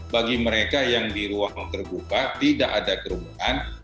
bagi mereka yang di ruang terbuka tidak ada kerumunan